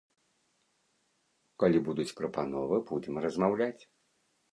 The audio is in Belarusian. Калі будуць прапановы, будзем размаўляць.